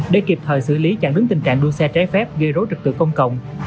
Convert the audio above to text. để kịp thời xử lý chặn đứng tình trạng đua xe trái phép gây rối trực tự công cộng